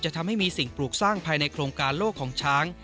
ทำให้มีสิ่งปลูกสร้างภายในโครงการโลกของช้าง